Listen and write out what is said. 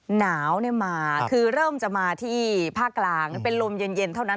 หนาวมาคือเริ่มจะมาที่ภาคกลางเป็นลมเย็นเท่านั้น